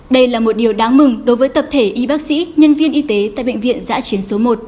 đây là một điều đáng mừng đối với tập thể y bác sĩ nhân viên y tế tại bệnh viện giã chiến số một